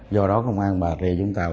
do đó công an bà rịa vũng tàu